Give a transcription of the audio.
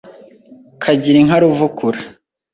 Kagire inka Ruvukura